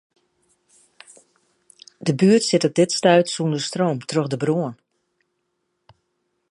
De buert sit op dit stuit sûnder stroom troch de brân.